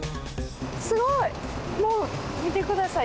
すごいもう見てください